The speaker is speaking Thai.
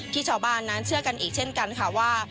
ชาวบ้านนั้นเชื่อกันอีกเช่นกันค่ะว่า